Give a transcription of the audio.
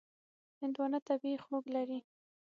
هندوانه طبیعي خوږ لري.